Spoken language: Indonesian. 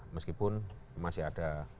meskipun masih ada